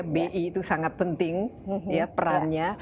bi itu sangat penting ya perannya